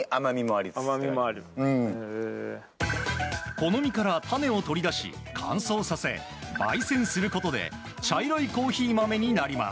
この実から種を取り出し乾燥させ焙煎することで茶色いコーヒー豆になります。